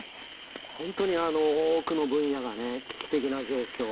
本当に多くの分野が危機的な状況。